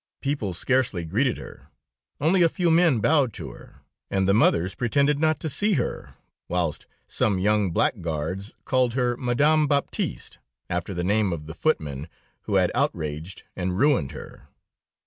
People scarcely greeted her; only a few men bowed to her, and the mothers pretended not to see her, whilst some young blackguards called her Madame Baptiste, after the name of the footman who had outraged and ruined her.